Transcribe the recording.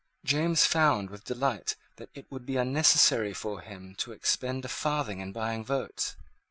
James found with delight that it would be unnecessary for him to expend a farthing in buying votes.